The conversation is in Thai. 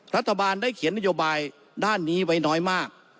รัฐบาลได้เขียนนโยบายด้านนี้ไว้น้อยมาก